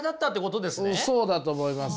そうだと思います。